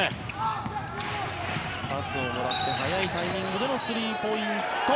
パスをもらって早いタイミングでのスリーポイント。